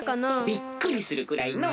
びっくりするくらいのう！